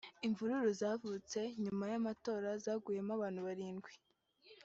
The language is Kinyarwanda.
Imvururu zavutse nyuma y’amatora zaguyemo abantu barindwi